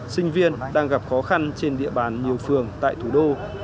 sinh viên đang gặp khó khăn trên địa bàn nhiều phường tại thủ đô